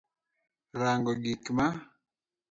Rango gik m